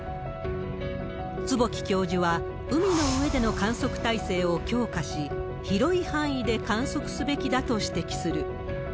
坪木教授は、海の上での観測体制を強化し、広い範囲で観測すべきだと指摘する。